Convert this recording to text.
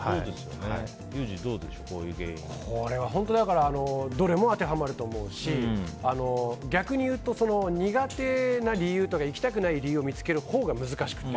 ユージ、どうでしょうこういう原因は。どれも当てはまると思うし逆に言うと、苦手な理由とか行きたくない理由を見つけるほうが難しくて。